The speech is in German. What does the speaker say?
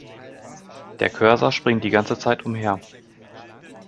Der Cursor springt die ganze Zeit umher.